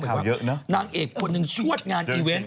ยกนะนางเอกคนนึงชวดงานอีเวนต์